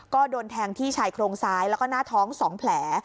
ก็โดนแทงที่ชายโครงซ้ายแล้วก็หน้าท้อง๒แผล